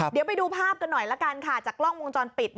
เดี๋ยวไปดูภาพกันหน่อยละกันค่ะจากกล้องวงจรปิด